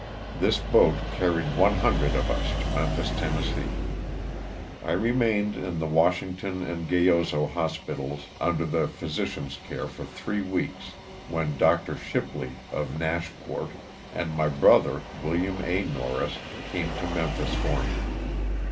This boat carried one hundred of us to Memphis, Tenn. I remained in the Washington LOSS OF THE SULTANA. 267 and Gayoso hospitals under the physician's care for three weeks when Dr. Shipley, of Nashport, and my brother, Wm, A. Norris, came to Memphis for me.